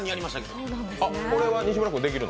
これは西村君できるの？